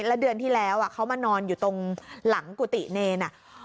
แล้วเดือนที่แล้วเขามานอนอยู่ตรงหลังกุฏิเนร